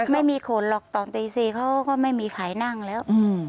ไม่มีขนหรอกตอนตี๔เขาก็ไม่มีใครนั่งแล้ว